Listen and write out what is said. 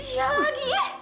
dia lagi ya